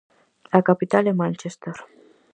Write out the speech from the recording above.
A capital é Manchester.